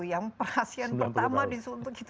yang pasien pertama di suntuk itu